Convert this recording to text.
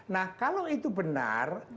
nah kalau itu benar